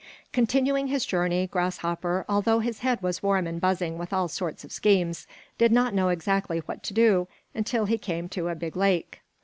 Continuing his journey, Grasshopper, although his head was warm and buzzing with all sorts of schemes, did not know exactly what to do until he came to a big lake.